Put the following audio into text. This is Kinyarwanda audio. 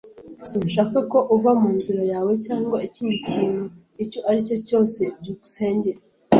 Sinshaka ko uva mu nzira yawe cyangwa ikindi kintu icyo ari cyo cyose. byukusenge